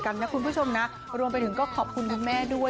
คนของน้อยชองนะรวมไปถึงก็ชอบคุณแม่